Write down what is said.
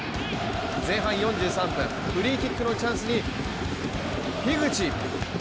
前半４３分、フリーキックのチャンスに樋口！